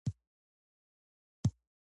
کلتوري تبادله د زده کړې له لارې پیاوړې کیږي.